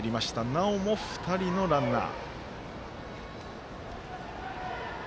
なおも２人のランナー。